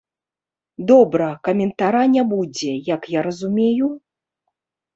Добра, каментара не будзе, як я разумею?